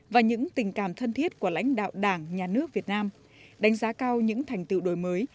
và những tình cảm thân thiết của lãnh đạo đảng nhà nước việt nam đánh giá cao những thành tựu đổi mới